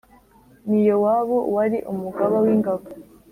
Ni Yowabu wari umugaba w’ingabo